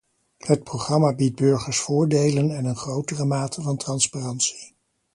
Het programma biedt burgers voordelen en een grotere mate van transparantie.